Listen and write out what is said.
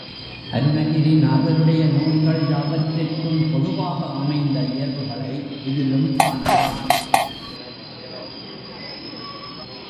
அருணகிரி நாதருடைய நூல்கள் யாவற்றுக்கும் பொதுவாக அமைந்த இயல்புகளை இதிலும் காணலாம்.